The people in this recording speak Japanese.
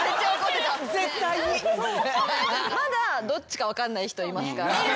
まだどっちか分かんない人いますから。